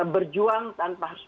berjuang tanpa hasil